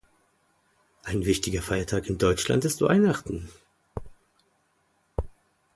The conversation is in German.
Ein wichtiger Feiertag in Deutschland ist Weihnachten.